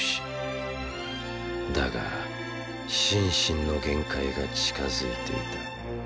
だが心身の限界が近づいていた。